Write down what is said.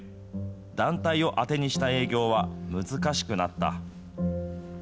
団体を当てにした営業は難しくなった。